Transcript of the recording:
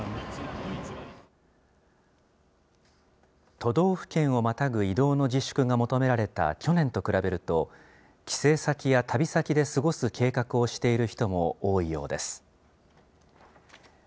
都道府県をまたぐ移動の自粛が求められた去年と比べると、帰省先や旅先で過ごす計画をしている人も多いようです。